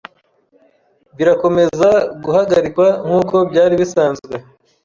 birakomeza guhagarikwa nkuko byari bisanzwe